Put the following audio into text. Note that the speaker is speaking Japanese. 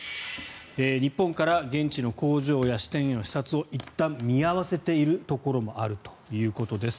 日本から現地の工場や支店への視察をいったん見合わせているところもあるということです。